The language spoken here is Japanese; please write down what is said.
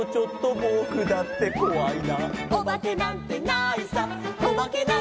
「ぼくだってこわいな」